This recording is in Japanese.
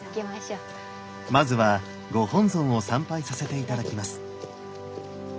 まずはご本尊を参拝させて頂きます。